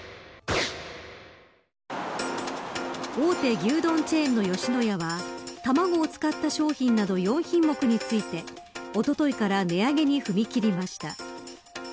大手牛丼チェーンの吉野家は卵を使った商品など４品目についておとといから値上げに踏み切りました。